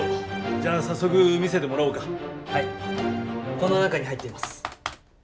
この中に入っています。